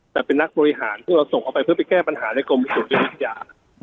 แต่เป็นนักบริหารก็พูดว่าส่งเขาไปเป็นไปแก้ปัญหาในกรมทุกงยมวิทยา